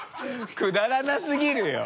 くだらなすぎるよ。